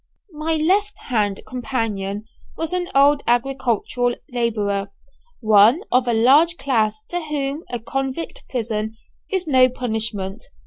My left hand companion was an old agricultural labourer, one of a large class to whom a convict prison is no punishment.